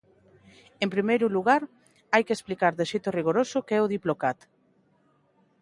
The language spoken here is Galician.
En primeiro lugar, hai que explicar de xeito rigoroso que é o Diplocat.